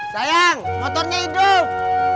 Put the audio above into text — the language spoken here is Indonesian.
sayang motornya hidup